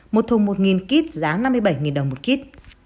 một thùng một kit giá năm mươi bảy đồng một kit